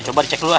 coba di cek lu lah